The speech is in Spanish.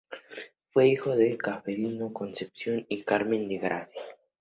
Fue hijo de Ceferino Concepción y Carmen de Gracia.